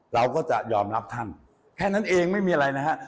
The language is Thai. เราก็จะยอมรับท่านแค่นั้นเองไม่มีอะไรนะฮะ